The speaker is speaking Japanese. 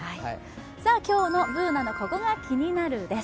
今日のＢｏｏｎａの「ココがキニナル」です。